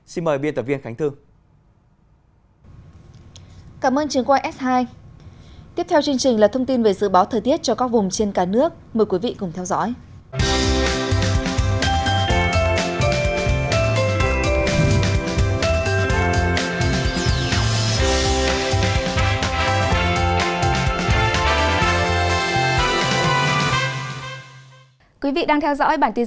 xin mời biên tập viên khánh thương